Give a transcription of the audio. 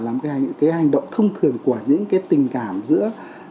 ở đây cái hành vi này nó không phải là cái hành động thông thường của những cái tình cảm giữa